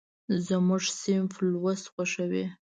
زموږ صنف لوست خوښوي.